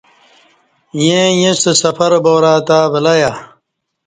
ییں ایݩستہ سفر بارا تہ ولہیہ